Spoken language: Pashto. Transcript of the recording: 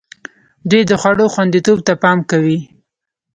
دوی د خوړو خوندیتوب ته پام کوي.